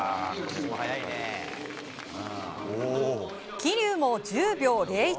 桐生も１０秒０１。